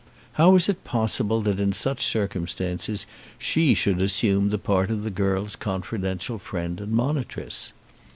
How was it possible that in such circumstances she should assume the part of the girl's confidential friend and monitress?